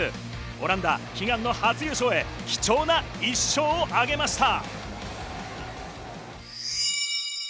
オランダ悲願の初優勝へ貴重な１勝を挙げました。